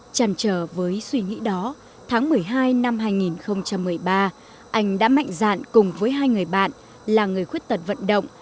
chẳng chờ với suy nghĩ đó tháng một mươi hai năm hai nghìn một mươi ba anh đã mạnh dạn cùng với hai người bạn là người khuyết tật vận động